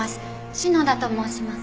篠田と申します。